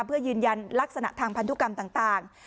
เพื่อยืนยันลักษณะทางพันธุกรรมต่าง